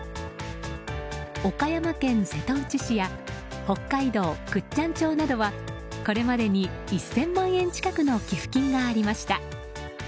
岡山県瀬戸内市や北海道倶知安町などはこれまでに１０００万円近くの寄付金がありました。